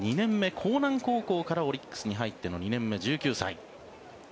興南高校からオリックスに入っての２年目、１９歳。